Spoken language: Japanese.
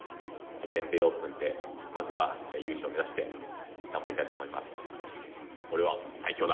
全米オープンでまずは優勝を目指して頑張りたいと思います。